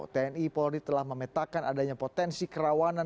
tni polri telah memetakan adanya potensi kerawanan